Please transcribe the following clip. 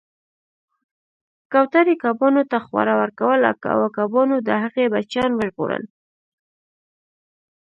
کوترې کبانو ته خواړه ورکول او کبانو د هغې بچیان وژغورل